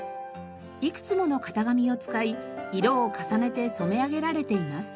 いくつもの型紙を使い色を重ねて染め上げられています。